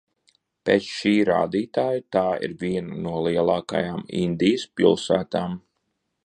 Pēc šī rādītāja tā ir viena no lielākajām Indijas pilsētām.